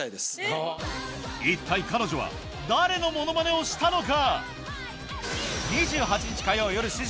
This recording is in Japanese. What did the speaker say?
一体彼女は誰のものまねをしたのか？